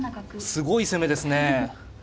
すごい攻めですね。